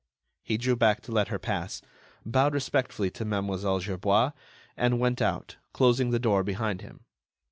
He drew back to let her pass, bowed respectfully to Mlle. Gerbois, and went out, closing the door behind him.